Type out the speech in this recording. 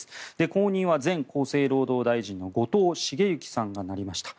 後任は前厚生労働大臣の後藤茂之さんがなりました。